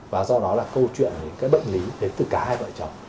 và do đó là câu chuyện những cái bệnh lý đến từ cả hai vợ chồng